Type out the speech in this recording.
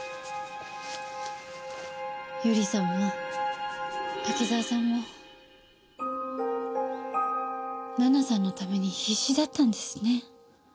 由梨さんも滝沢さんも奈々さんのために必死だったんですね。